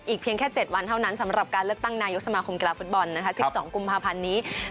เพียงแค่๗วันเท่านั้นสำหรับการเลือกตั้งนายกสมาคมกีฬาฟุตบอล๑๒กุมภาพันธ์นี้